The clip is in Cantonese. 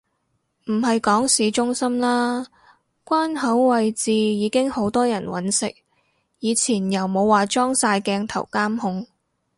唔係講市中心啦，關口位置已經好多人搵食，以前又冇話裝晒鏡頭監控